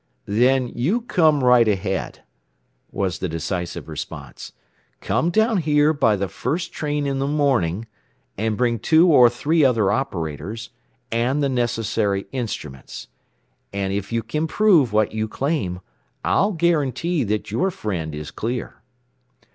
"Then you come right ahead," was the decisive response. "Come down here by the first train in the morning, and bring two or three other operators, and the necessary instruments. "And if you can prove what you claim, I'll guarantee that your friend is clear."